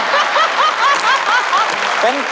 ดูตันจริงค่ะ